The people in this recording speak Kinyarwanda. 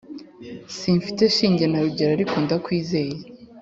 Simfite shinge na rugero ariko ndakwizeye